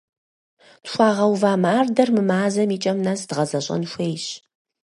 Тхуагъэува мардэр мы мазэм и кӏэм нэс дгъэзэщӏэн хуейщ.